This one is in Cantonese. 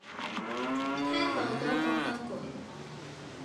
聽到都覺得攰